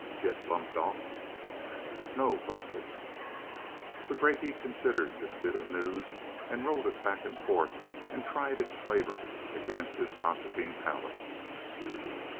"Get bumped off?" "No. Busted." The brakie considered this bit of news and rolled it back and forth and tried its flavor against his gossiping palate.